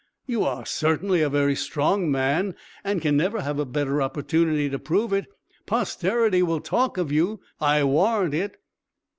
You are certainly a very strong man, and can never have a better opportunity to prove it. Posterity will talk of you, I warrant it!"